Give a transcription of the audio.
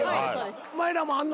お前らもあんのか？